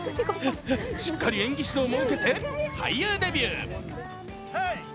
しっかり演技指導も受けて俳優デビュー。